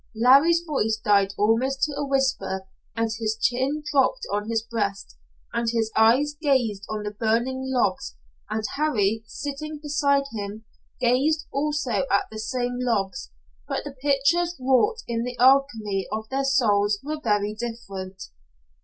Larry's voice died almost to a whisper, and his chin dropped on his breast, and his eyes gazed on the burning logs; and Harry, sitting beside him, gazed also at the same logs, but the pictures wrought in the alchemy of their souls were very different.